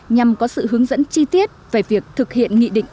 nhằm có sự hướng dẫn chi tiết về việc thực hiện nghị định